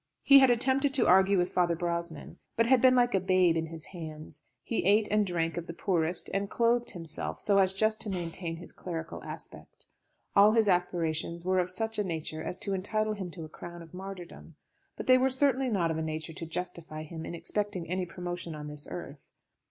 He had attempted to argue with Father Brosnan, but had been like a babe in his hands. He ate and drank of the poorest, and clothed himself so as just to maintain his clerical aspect. All his aspirations were of such a nature as to entitle him to a crown of martyrdom. But they were certainly not of a nature to justify him in expecting any promotion on this earth.